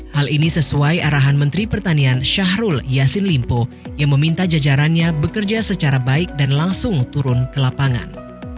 hal ini sesuai arahan menteri pertanian syahrul yassin limpo yang meminta jajarannya bekerja secara baik dan langsung turun ke lapangan